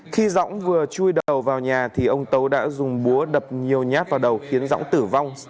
khi dõng vừa chui đầu vào nhà thì ông tấu đã dùng búa đập nhiều nhát vào đầu khiến dõng tử vong